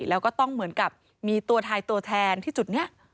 แล้วก็ต้องเหมือนกับมีตัวไทยตัวแทนที่จุดนี้